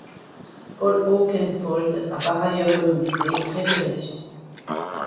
Paul Oakenfold a par ailleurs remixé ResuRection.